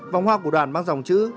vòng hoa của đoàn mang dòng chữ